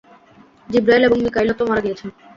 জিবরাঈল এবং মীকাঈলও তো মারা গিয়েছেন।